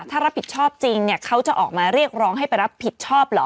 ถ้ารับผิดชอบจริงเนี่ยเขาจะออกมาเรียกร้องให้ไปรับผิดชอบเหรอ